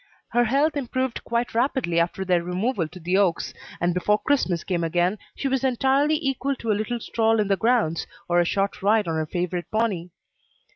Her health improved quite rapidly after their removal to the Oaks, and before Christmas came again she was entirely equal to a little stroll in the grounds, or a short ride on her favorite pony.